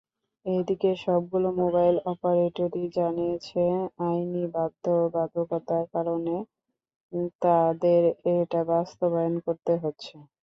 এদিকে সবগুলো মোবাইল অপারেটরই জানিয়েছে, আইনি বাধ্যবাধকতার কারণেই তাদের এটা বাস্তবায়ন করতে হচ্ছে।